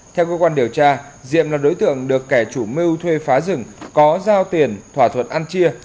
theo cơ quan điều tra diệm là đối tượng được kẻ chủ mưu thuê phá rừng có giao tiền thỏa thuận ăn chia